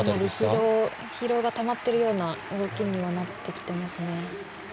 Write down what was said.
疲労がたまっているような動きになってきてますね。